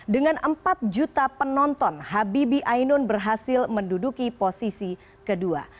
dengan empat juta penonton habibi ainun berhasil menduduki posisi kedua